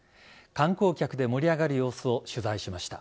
観光客で盛り上がる様子を取材しました。